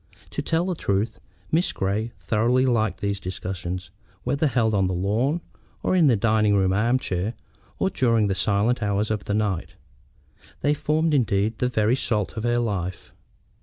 To tell the truth, Miss Grey thoroughly liked these discussions, whether held on the lawn, or in the dining room arm chairs, or during the silent hours of the night. They formed, indeed, the very salt of her life.